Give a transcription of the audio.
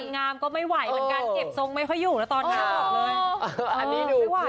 งามก็ไม่ไหวเหมือนกันเก็บทรงใหม่ค่อยอยู่แล้วตอนนี้ออกเลย